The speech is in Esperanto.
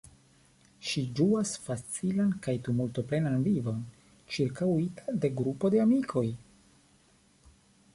Ŝi ĝuas facilan kaj tumulto-plenan vivon, ĉirkaŭita de grupo de amikoj.